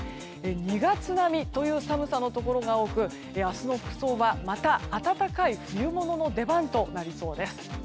２月並みという寒さのところが多く明日の服装は、また暖かい冬物の出番となりそうです。